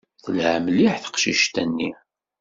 Telha mliḥ teqcict-nni.